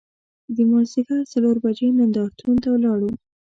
د مازدیګر څلور بجې نندار تون ته لاړو.